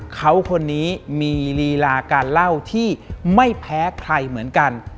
เขาคนนี้มีลีลาการเล่าที่ไม่แพ้ใครเหมือนกัน